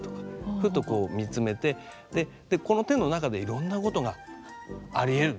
ふっとこう見つめてこの手の中でいろんなことがありえる。